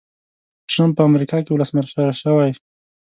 ټرمپ په امریکا کې ولسمشر شوی و.